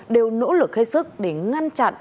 đều nỗ lực hết sức để ngăn chặn